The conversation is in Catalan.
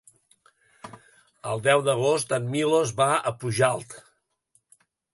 El deu d'agost en Milos va a Pujalt.